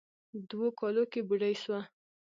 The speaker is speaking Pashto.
دوو کالو کې بوډۍ سوه.